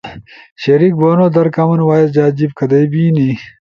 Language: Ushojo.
شریک بونو در کامن وائس جا جیِب کدئی بینی؟